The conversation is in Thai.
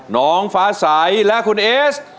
น้องฟ้าใสและคุณเอส